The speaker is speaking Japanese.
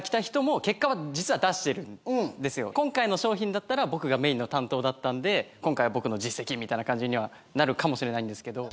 今回の商品だったら僕がメインの担当だったんで今回は僕の実績みたいな感じにはなるかもしれないんですけど。